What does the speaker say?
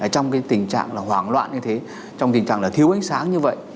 trong cái tình trạng là hoảng loạn như thế trong tình trạng là thiếu ánh sáng như vậy